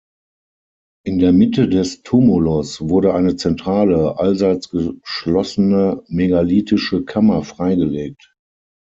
In der Mitte des Tumulus wurde eine zentrale, allseits geschlossene megalithische Kammer freigelegt.